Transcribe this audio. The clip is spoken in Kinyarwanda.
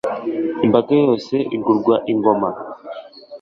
imbaga yose igurwa ingoma